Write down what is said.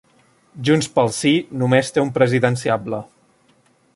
Junts pel Sí només té un presidenciable